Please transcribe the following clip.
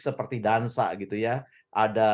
seperti dansa gitu ya